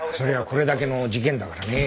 これだけの事件だからね。